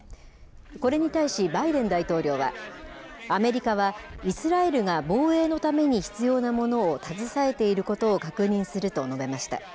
これに対しバイデン大統領は、アメリカはイスラエルが防衛のために必要なものを携えていることを確認すると述べました。